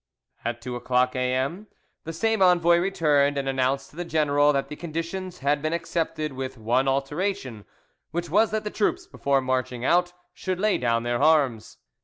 At two o'clock A. M. the same envoy returned, and announced to the general that the conditions had been accepted with one alteration, which was that the troops, before marching out, should lay down their arms.